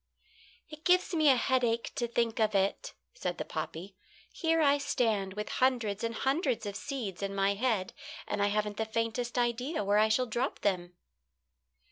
"It gives me a headache to think of it," said the poppy. "Here I stand with hundreds and hundreds of seeds in my head, and I haven't the faintest idea where I shall drop them."